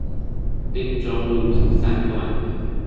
汀州路三段